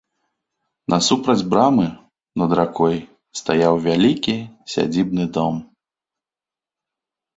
Насупраць брамы, над ракой, стаяў вялікі сядзібны дом.